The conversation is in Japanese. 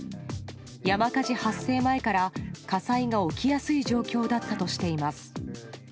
山火事発生前から火災が起きやすい状況だったとしています。